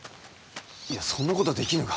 いやそんなことはできぬが。